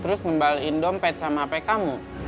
terus kembaliin dompet sama hp kamu